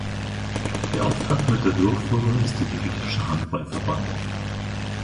Beauftragt mit der Durchführung ist der griechische Handballverband.